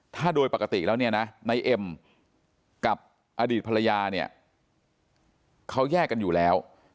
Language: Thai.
ถ้าโดยปกติแล้วเนี่ยนะในเอ็มกับอดีตภรรยาเนี่ยเขาแยกกันอยู่แล้ว